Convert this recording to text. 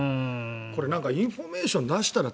これインフォメーション出したら？